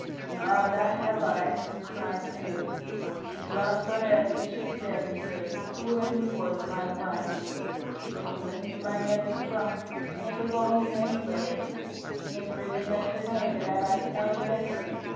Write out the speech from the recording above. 'Ah, that have I,' he replied with an oath; 'and the last on earth who should serve me so, the woman who was my wife. A woman whom I never struck, never wronged in any way, never even let her know that I like another better.